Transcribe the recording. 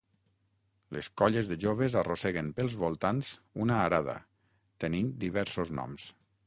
Les colles de joves arrosseguen pels voltants una arada, tenint diversos noms.